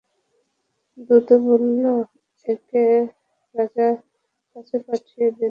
দূত বলল, একে রাজার কাছে পাঠিয়ে দিন।